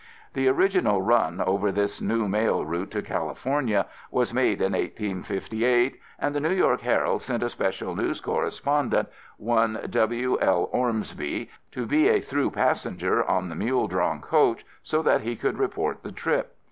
The original run over this new mail trail to California was made in 1858 and the New York Herald sent a special news correspondent, one W. L. Ormsby, to be a through passenger on the mule drawn coach so that he could report the trip.